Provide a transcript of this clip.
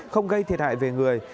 không gây thiệt hại về người